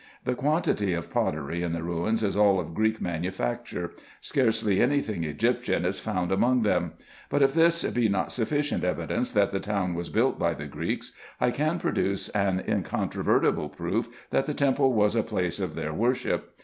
The quantity of pottery in the ruins is all of Greek manufacture ; scarcely any thing Egyptian is found among them : but if this be not sufficient evidence that the town was built by the Greeks, I can produce an incontro vertible proof that the temple was a place of their worship.